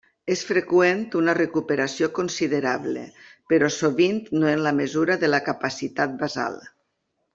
És freqüent una recuperació considerable, però sovint no en la mesura de la capacitat basal.